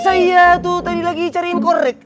saya tuh tadi lagi cariin korek